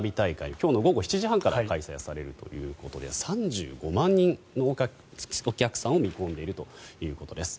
今日の午後７時半から開催されるということで３５万人のお客さんを見込んでいるということです。